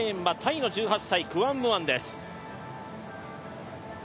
７レーンはタイの１８歳、クワンムアンです。